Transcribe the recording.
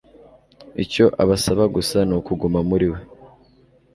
Icyo abasaba gusa ni ukuguma muri we.